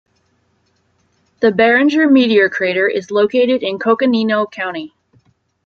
The Barringer Meteor Crater is located in Coconino County.